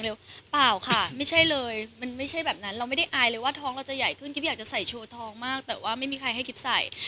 อยากจะใส่ชัวร์ทองมากแต่ว่าไม่มีใครให้กิฟต์ใส่